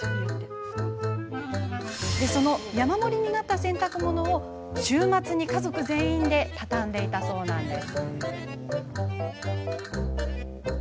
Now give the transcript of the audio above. その、山盛りになった洗濯物を週末に家族全員でたたんでいたそうです。